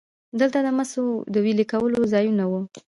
دلته د مسو د ویلې کولو ځایونه وو